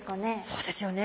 そうですよね。